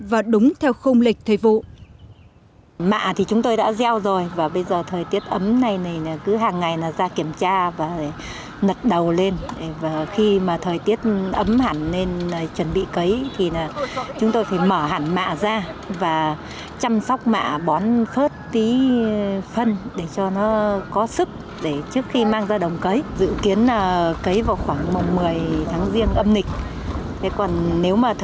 và đúng theo khung lịch thời vụ